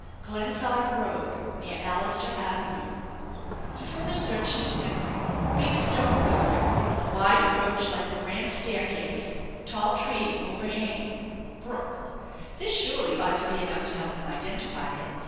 " Glenside Road, near Allister Avenue." He further searched his memory. "Big stone barn, wide approach like a grand THE ENCHANTED BARN 4f staircase, tall tree overhanging, brook." This surely ought to be enough to help him identify it.